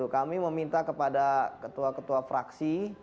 kami meminta kepada ketua ketua fraksi